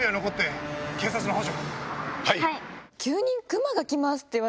はい。